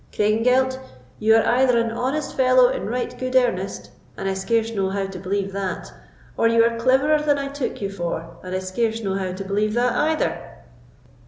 "Craigengelt, you are either an honest fellow in right good earnest, and I scarce know how to believe that; or you are cleverer than I took you for, and I scarce know how to believe that either."